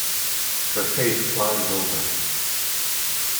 Her face clouded over.